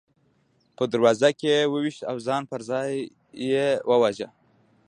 په دروازه کې یې وویشت او ځای پر ځای یې وواژه.